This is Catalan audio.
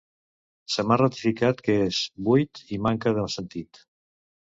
Se m'ha ratificat que és buit i manca de sentit.